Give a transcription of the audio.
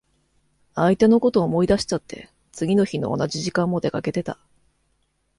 相手のこと思い出しちゃって、次の日の同じ時間も出かけてた。